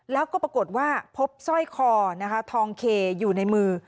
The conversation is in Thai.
แล้วก็ปรากฏว่าพบสร้อยคอนะคะทองเคอยู่ในมือ